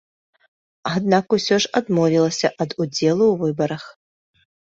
Аднак усё ж адмовілася ад удзелу ў выбарах.